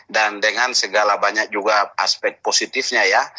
dan dengan segala banyak juga aspek positifnya ya